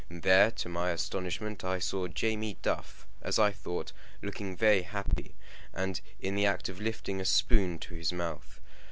There, to my astonishment, I saw Jamie Duff, as I thought, looking very happy, and in the act of lifting a spoon to his mouth.